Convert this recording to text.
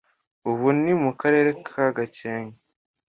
Ubu ni mu Karere ka Gakenke